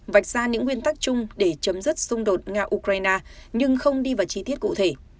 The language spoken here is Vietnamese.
vạch ra những nguyên tắc chung để chấm dứt xung đột nga ukraine nhưng không đi vào chi tiết cụ thể